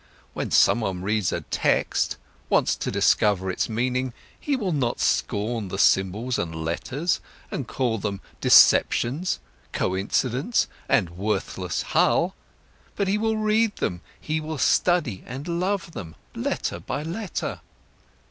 "When someone reads a text, wants to discover its meaning, he will not scorn the symbols and letters and call them deceptions, coincidence, and worthless hull, but he will read them, he will study and love them, letter by letter.